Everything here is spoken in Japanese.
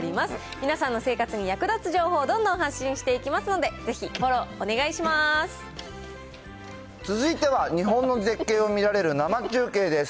皆さんの生活に役立つ情報、どんどん発信していきますので、ぜひ続いては、日本の絶景を見られる生中継です。